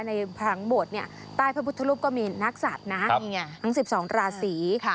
ในผังบวชเนี่ยใต้พระพุทธรูปก็มีนักศัตริย์นะทั้ง๑๒ราศี